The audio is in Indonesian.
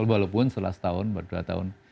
walaupun setelah setahun berdua tahun